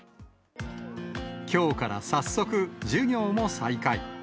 きょうから早速、授業も再開。